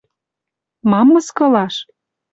— Мам мыскылаш?